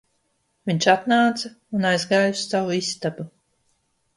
Viņš atnāca un aizgāja uz savu istabu